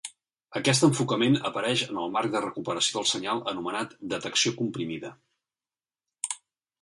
Aquest enfocament apareix en el marc de recuperació del senyal anomenat detecció comprimida.